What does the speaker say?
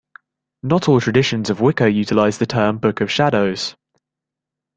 Not all traditions of Wicca utilize the term "Book of Shadows".